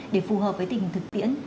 để phù hợp với tình hình dịch bệnh